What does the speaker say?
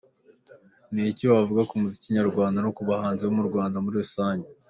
com : n'iki wavuga ku muziki nyarwanda no kubahanzi bo murwanda muri rusange ?.